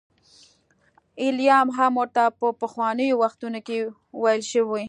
ایلیا هم ورته په پخوانیو وختونو کې ویل شوي.